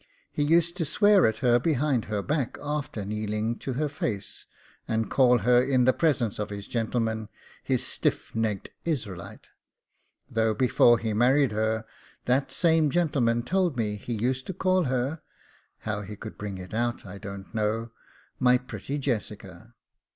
He used to swear at her behind her back after kneeling to her face, and call her in the presence of his gentleman his stiff necked Israelite, though before he married her that same gentleman told me he used to call her (how he could bring it out, I don't know) 'my pretty Jessica!